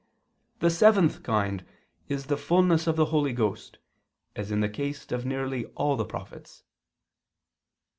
The seventh kind is the fullness of the Holy Ghost, as in the case of nearly all the prophets."